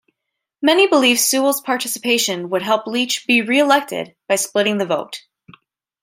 Many believed Sewell's participation would help Leach be re-elected by splitting the vote.